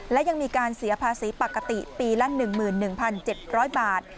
และยังมีการเสียภาษีปกติปีละ๑๑๗๐๐บาท